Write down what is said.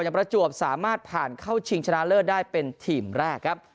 ประจวบสามารถผ่านเข้าชิงชนะเลิศได้เป็นทีมแรกครับ